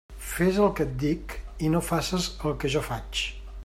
Fes el que et dic i no faces el que jo faig.